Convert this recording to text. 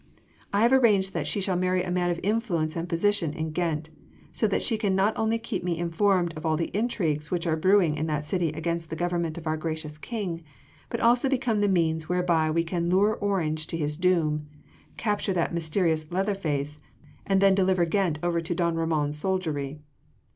I have arranged that she shall marry a man of influence and position in Ghent, so that she can not only keep me informed of all the intrigues which are brewing in that city against the Government of our gracious King, but also become the means whereby we can lure Orange to his doom, capture that mysterious Leatherface, and then deliver Ghent over to don Ramon’s soldiery."